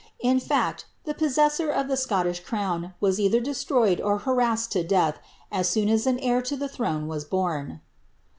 In fact, the possessor of the Scottish crown was either destroyed or harassed to death as soon as an heir to the throne was born.